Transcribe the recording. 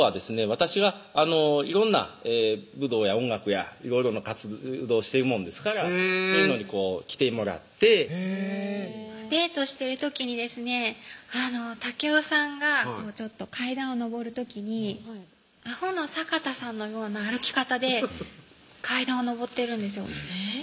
私は色んな武道や音楽やいろいろな活動してるもんですからそういうのに来てもらってへぇデートしてる時にですね健夫さんが階段を上る時にアホの坂田さんのような歩き方で階段を上ってるんですよ